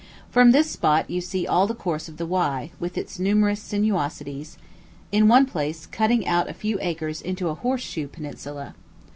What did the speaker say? From this spot you see all the course of the Wye, with its numerous sinuosities in one place cutting out a few acres into a horse shoe peninsula.